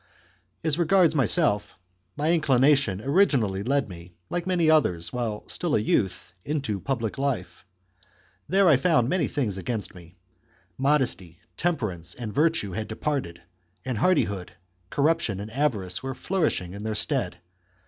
As regards myself, my inclination originally led me, like many others, while still a youth, into public life. There I found many things against me. Modesty, temperance, and virtue had departed, and hardihood, corruption, and avarice were flourishing in their stead.